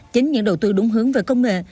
chính những đầu tư đúng hướng về công nghệ